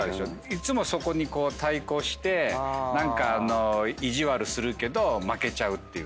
いつもそこに対抗して何か意地悪するけど負けちゃうっていう感じの。